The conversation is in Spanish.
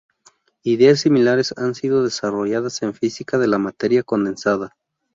Ideas similares han sido desarrolladas en física de la materia condensada.